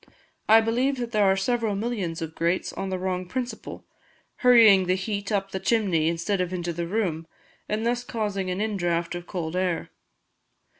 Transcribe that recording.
I believe that there are several millions of grates on the wrong principle, hurrying the heat up the chimney instead of into the room, and thus causing an in draught of cold air.